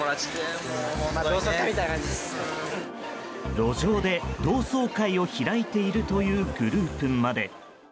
路上で同窓会を開いているというグループまで。